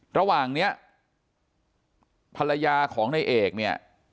ระหว่างเนี้ยภรรยาของนายเอกเนี่ย